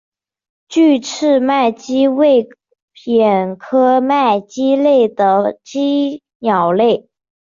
距翅麦鸡为鸻科麦鸡属的鸟类。